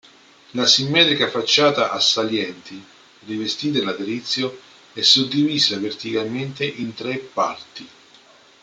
La simmetrica facciata a salienti, rivestita in laterizio, è suddivisa verticalmente in tre parti.